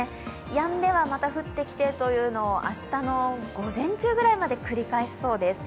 やんではまた降ってきてというのを明日の午前中ぐらいまで繰り返しそうです。